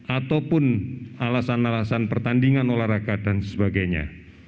ataupun alasan alasan pertandingan olahraga dan sebagainya